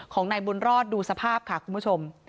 ของนายบุญรอดดูสภาพค่ะคุณผู้ชม